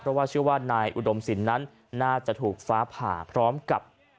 เพราะว่าเชื่อว่านายอุดมศิลป์นั้นน่าจะถูกฟ้าผ่าพร้อมกับ